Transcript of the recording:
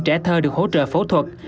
trẻ thơ được hỗ trợ phẫu thuật